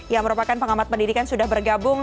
yang merupakan pengamat pendidikan sudah bergabung